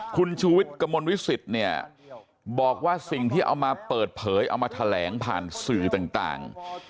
คุณชูวิทย์กระมวลวิสิตเนี่ยบอกว่าสิ่งที่เอามาเปิดเผยเอามาแถลงผ่านสื่อต่าง